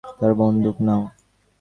তার বন্দুক নাও।